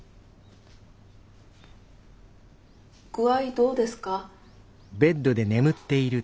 具合どうですか？